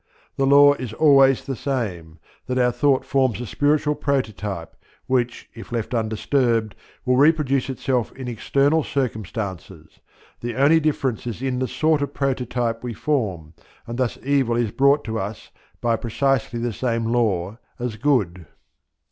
The law is always the same, that our Thought forms a spiritual prototype which, if left undisturbed, will reproduce itself in external circumstances; the only difference is in the sort of prototype we form, and thus evil is brought to us by precisely the same law as good.